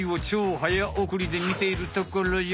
早おくりでみているところよ。